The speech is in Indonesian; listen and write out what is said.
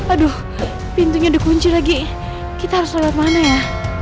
aduh pintunya dikunci lagi kita harus lewat mana ya